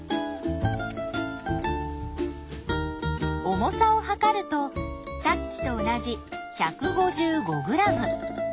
重さをはかるとさっきと同じ１５５ｇ。